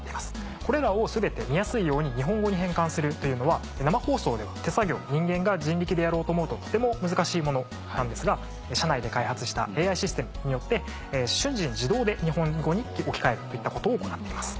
これらを全て見やすいように日本語に変換するというのは生放送では手作業人間が人力でやろうと思うととても難しいものなんですが社内で開発したＡＩシステムによって瞬時に自動で日本語に置き換えるといったことを行っています。